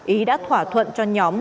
ý đã thỏa thuận cho nhóm